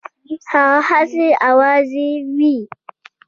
هغه هسي آوازې وي.